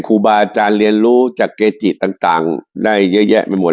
ครูบาอาจารย์เรียนรู้จากเกจิต่างได้เยอะแยะไปหมด